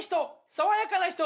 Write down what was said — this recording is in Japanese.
爽やかな人！」。